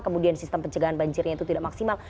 kemudian sistem pencegahan banjirnya itu tidak maksimal